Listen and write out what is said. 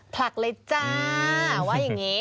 ผลักเลยจ้าว่าอย่างนี้